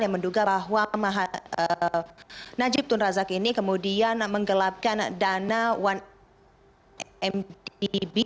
yang menduga bahwa najib tun razak ini kemudian menggelapkan dana satu mdb